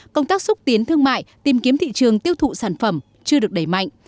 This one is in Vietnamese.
công tác xúc tiến thương mại tìm kiếm thị trường tiêu thụ sản phẩm chưa được đẩy mạnh